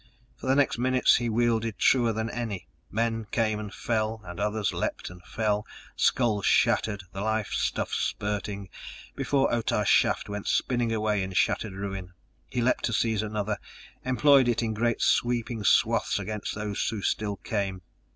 For the next minutes he wielded truer than any! Men came and fell, and others leaped and fell, skulls shattered, the life stuff spurting, before Otah's shaft went spinning away in shattered ruin; he leaped to seize another, employed it in great sweeping swaths against those who still came.